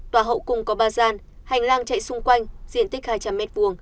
tòa hậu cung có ba gian hành lang chạy xung quanh diện tích hai trăm linh m hai